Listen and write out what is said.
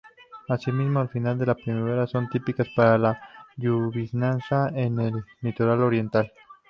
Asimismo, al final de primavera son típicas las lloviznas en el litoral oriental.